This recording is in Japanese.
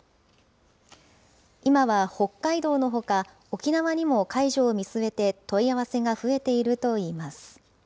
今は北海道のほか、沖縄にも解除を見据えて、問い合わせが増えているといいます。